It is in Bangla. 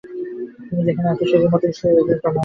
তুমি যেখানে আছ সেই মোটেলে সকল এজেন্ট জমা হয়েছ।